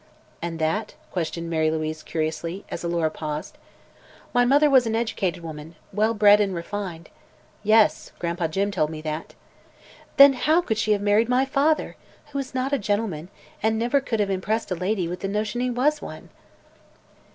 "And that?" questioned Mary Louise curiously, as Alora paused. "My mother was an educated woman, well bred and refined." "Yes; Gran'pa Jim told me that." "Then how could she have married my father, who is not a gentleman and never could have impressed a lady with the notion he was one?"